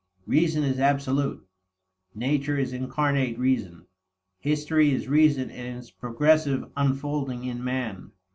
Reason is absolute. Nature is incarnate reason. History is reason in its progressive unfolding in man.